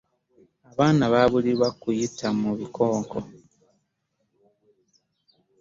abaana bbabulirirwa okuyita mu bikokko